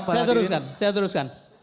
saya teruskan saya teruskan